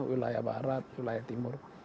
wilayah barat wilayah timur